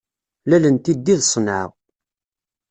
Lal n tiddi d ṣenɛa.